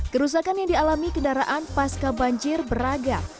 kerusakan yang dialami kendaraan pasca banjir beragam